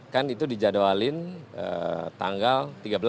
kan itu dijadwalin tanggal tiga belas